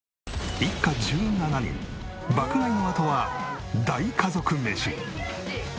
一家１７人爆買いのあとは大家族メシ。